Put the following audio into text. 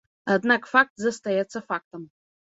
Аднак факт застаецца фактам.